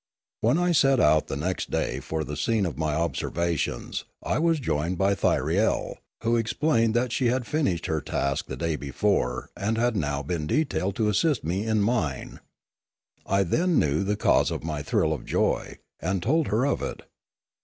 When I set out next day for the scene of my observations, I was joined by Thyriel, who explained that she had finished her task the day before and had now been detailed to assist me in mine. I then knew the cause of my thrill of joy, and told her of it.